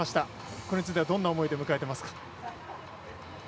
これについてはどんな思いで迎えてますか？